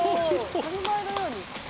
当たり前のように。